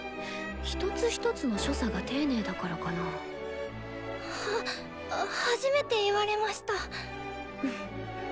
一つ一つの所作が丁寧だからかな。は初めて言われました。